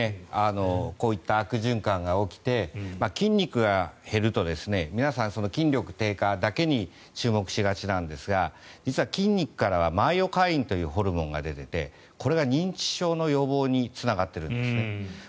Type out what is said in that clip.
こういった悪循環が起きて筋肉が減ると皆さん、筋力低下だけに注目しがちなんですが実は筋肉からはホルモンが出ていてこれが認知症の予防につながっているんです。